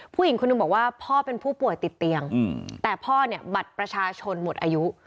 ผู้หญิงคนหนึ่งบอกว่าพ่อเป็นผู้ป่วยติดเตียงแต่พ่อเนี่ยบัตรประชาชนหมดอายุ